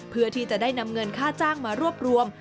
เพื่อที่จะได้นำเงินค่าจ้างมารวบรวม